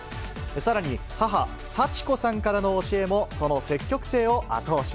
さらに母、幸子さんからの教えもその積極性を後押し。